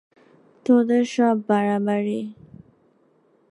তোদের সব বাড়াবাড়ি।